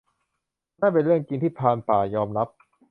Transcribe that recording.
นั่นเป็นเรื่องจริง ที่ พรานป่า ยอมรับ